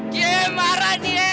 ken marah niel